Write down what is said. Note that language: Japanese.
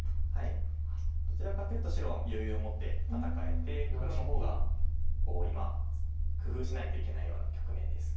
どちらかというと白は余裕を持って戦えて黒の方が今工夫しないといけないような局面です。